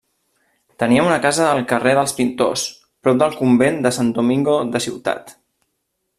Tenia una casa al carrer dels pintors, prop del Convent de Sant Domingo de Ciutat.